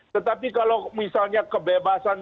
tetapi kalau misalnya kebebasan